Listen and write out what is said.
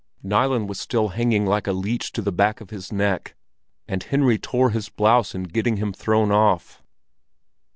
Nilen was still hanging like a leech to the back of his neck, and Henry tore his blouse in getting him thrown off.